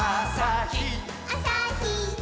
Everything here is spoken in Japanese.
「あさひっ！